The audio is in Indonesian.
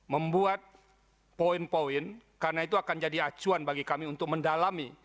membuat poin poin karena itu akan jadi acuan bagi kami untuk mendalami